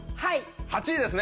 ８位ですね？